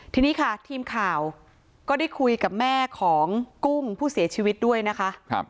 ทีนี้ค่ะทีมข่าวก็ได้คุยกับแม่ของกุ้งผู้เสียชีวิตด้วยนะคะ